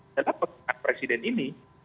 adalah perhatian presiden ini